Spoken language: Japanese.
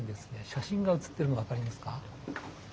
写真がうつってるのが分かりますか？